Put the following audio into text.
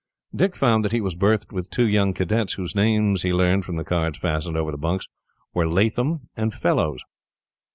Dick found that he was berthed with two young cadets, whose names, he learned from the cards fastened over the bunks, were Latham and Fellows.